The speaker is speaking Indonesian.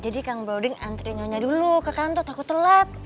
jadi kang brody nganterin nyonya dulu ke kantor takut telat